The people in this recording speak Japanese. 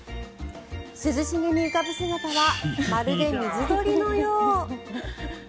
涼しげに浮かぶ姿はまるで水鳥のよう。